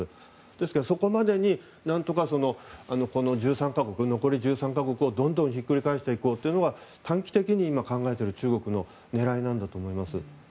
ですから、そこまでに何とか残りの１３か国をひっくり返していこうというのが短期的に今、考えている中国の狙いなんだと思います。